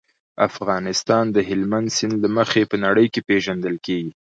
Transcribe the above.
افغانستان د هلمند سیند له مخې په نړۍ پېژندل کېږي.